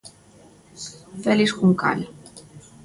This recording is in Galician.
Félix Juncal.